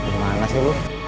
gimana sih lu